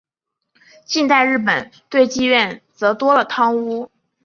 近代日本对妓院则多了汤屋。